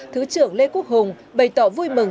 thứ trưởng lê quốc hùng bày tỏ vui mừng